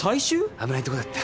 危ないとこだった。